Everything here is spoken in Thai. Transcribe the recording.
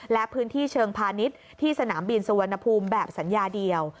และพื้นที่เชิงพาณิชย์ที่สนามบินสุวรรณภูมิแบบสัญญาเดียว